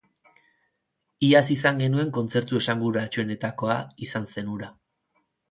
Iaz izan genuen kontzertu esanguratsuenetakoa izan zen hura.